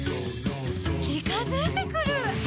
「ちかづいてくる！」